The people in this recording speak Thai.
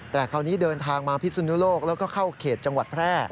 แต่คราวนี้เดินทางมาพิสุนุโลกแล้วก็เข้าเขตจังหวัดแพร่